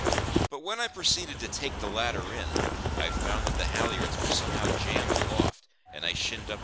But when I proceeded to take the latter in, I found that the halliards were somehow jammed aloft, and I shinned up to clear them.